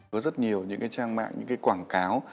có rất nhiều những trang mạng quảng cáo